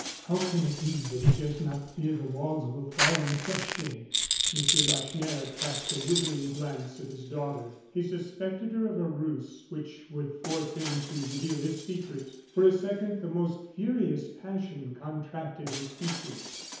"How can it be that he does not fear the walls will fall and crush him?" M. Lacheneur cast a withering glance at his daughter. He suspected her of a ruse which would force him to reveal his secret. For a second, the most furious passion contracted his features.